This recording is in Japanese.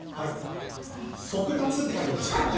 速達って書いてあるんです。